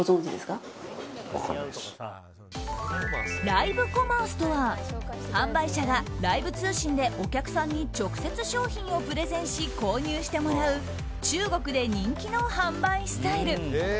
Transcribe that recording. ライブコマースとは販売者がライブ配信でお客さんに直接商品をプレゼンし購入してもらう中国で人気の販売スタイル。